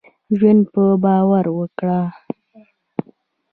ژوند په باور وکړهٔ.